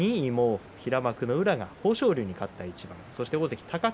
２位も平幕の宇良が豊昇龍に勝った一番です。